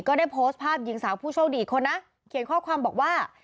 ก็ได้ปสพ์ภาพยิงสาวผู้โชคดีคนนะเขียนข้อความฟักว่า